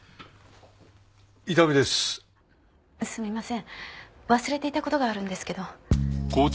すみません忘れていた事があるんですけど。